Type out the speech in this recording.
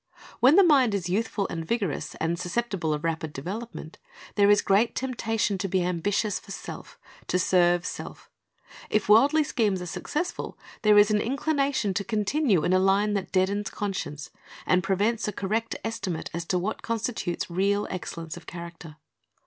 When the mind is youthful and vigorous, and suscep tible of rapid development, there is great temptation to be ambitious for self, to serve self If worldly schemes are successful, there is an inclination to continue in a line that deadens conscience, and prevents a correct estimate as to what constitutes real excellence of character.